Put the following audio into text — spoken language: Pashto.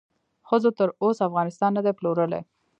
ښځو تر اوسه افغانستان ندې پلورلی